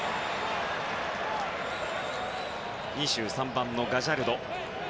２３番、ガジャルド。